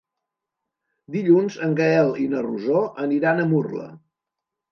Dilluns en Gaël i na Rosó aniran a Murla.